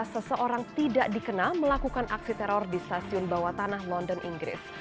seseorang tidak dikenal melakukan aksi teror di stasiun bawah tanah london inggris